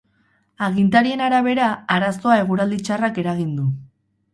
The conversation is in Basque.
Agintarien arabera, arazoa eguraldi txarrak eragin du.